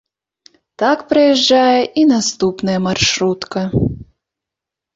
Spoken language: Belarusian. Так праязджае і наступная маршрутка.